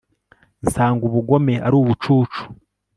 nsanga ubugome ari ubucucu